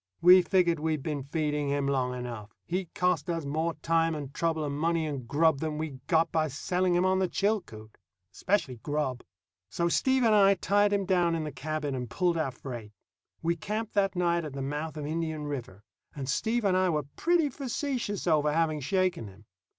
We figured we'd been feeding him long enough. He'd cost us more time and trouble and money and grub than we'd got by selling him on the Chilcoot especially grub. So Steve and I tied him down in the cabin and pulled our freight. We camped that night at the mouth of Indian River, and Steve and I were pretty facetious over having shaken him.